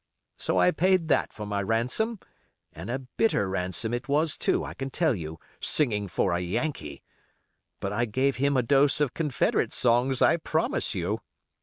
So I paid that for my ransom, and a bitter ransom it was too, I can tell you, singing for a Yankee! But I gave him a dose of Confederate songs, I promise you.